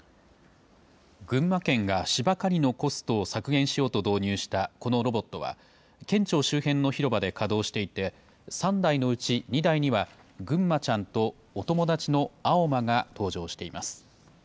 群馬県が芝刈りのコストを削減しようと導入したこのロボットは、県庁周辺の広場で稼働していて、３台のうち２台には、ぐんまちゃんとおともだちのあおまが搭乗しています。